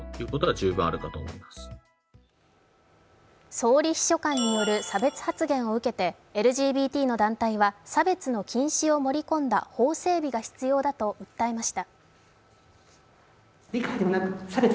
総理秘書官による差別発言を受けてＬＧＢＴ団体は差別の禁止を盛り込んだ法整備が必要だと訴えました。